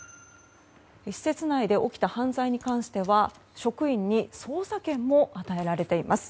施設内で起きた犯罪に関しては職員に捜査権も与えられています。